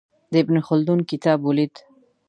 د ابن خلدون کتاب ولید.